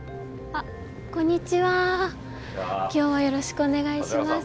こんにちは今日はよろしくお願いします。